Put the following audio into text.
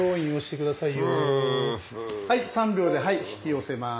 はい３秒で引き寄せます。